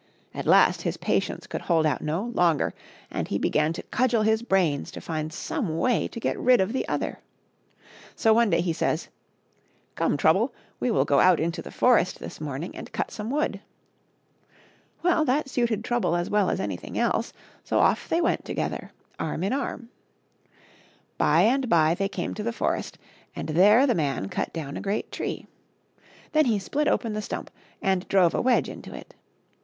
At last his patience could hold out no longer, and he began to cudgel his brains to find some way to get rid of the other. So one day he says, " Come, Trouble, we will go out into the forest this morning and cut some wood." Well, that suited Trouble as well as anything else, so off they went to gether, arm in arm. By and by they came to the forest, and there the man cut down a great tree. Then he split open the stump, and drove a wedge into it.